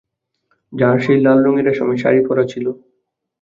যাঁর সেই লাল রঙের রেশমের শাড়ি পরা ছিল?